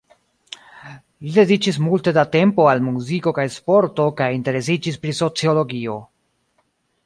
Li dediĉis multe da tempo al muziko kaj sporto kaj interesiĝis pri sociologio.